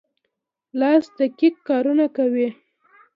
لاس دقیق کارونه کوي.